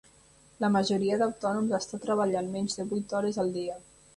La majoria d'autònoms està treballant menys de vuit hores al dia